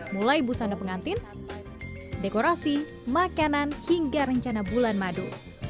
mulai busana pengantin dekorasi makanan hingga rencana bulan madu